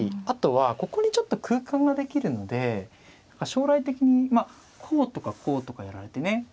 あとはここにちょっと空間ができるので将来的にこうとかこうとかやられてね。